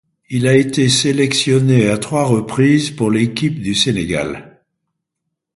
Il a été sélectionné à trois reprises pour l'équipe du Sénégal.